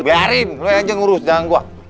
biarin lu aja ngurus dengan gua